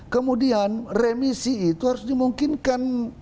kemudian remisi itu harus dimungkinkan